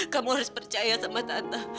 kamu harus percaya sama tante